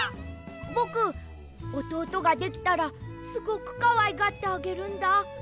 ぼくおとうとができたらすごくかわいがってあげるんだ。